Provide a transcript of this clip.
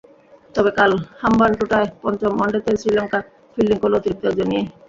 তবে কাল হাম্বানটোটায় পঞ্চম ওয়ানডেতে শ্রীলঙ্কা ফিল্ডিং করল অতিরিক্ত একজন নিয়েই।